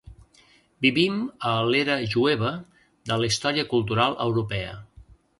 Vivim a l'era jueva de la història cultural europea.